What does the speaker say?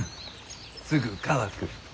すぐ乾く。